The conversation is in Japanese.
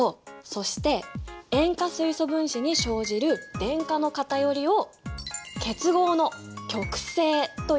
そして塩化水素分子に生じる電荷の偏りを結合の極性というんだ。